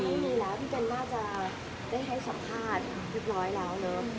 ไม่มีแล้วพี่เดญงล่าจะได้ให้สัมภาษณ์หรือเปล่าเนอะ